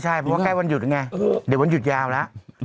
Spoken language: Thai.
ใช่เพราะว่าใกล้วันหยุดไงเดี๋ยววันหยุดยาวแล้ว